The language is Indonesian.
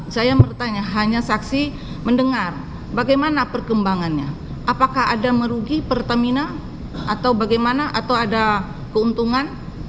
saya bertanya hanya saksi mendengar bagaimana perkembangannya apakah ada merugi pertamina atau bagaimana atau ada keuntungan